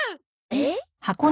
えっ？